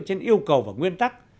trên yêu cầu và nguyên tắc